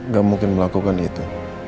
gak mungkin melakukan itu